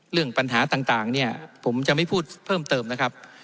เรื่องปัญหาต่างเนี่ยผมจะไม่พูดเพิ่มเติมนะครับ